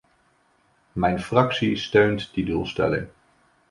Mijn fractie steunt die doelstelling.